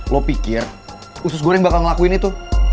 lo pikir usus goreng bakal ngelakuin itu